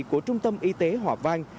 của trung tâm y tế hòa vang